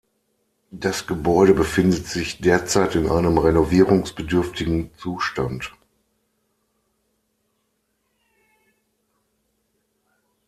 Das Gebäude befindet sich derzeit in einem renovierungsbedürftigen Zustand.